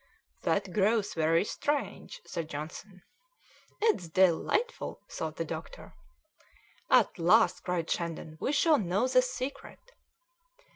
"That grows very strange," said Johnson. "It's delightful!" thought the doctor. "At last," cried Shandon, "we shall know the secret."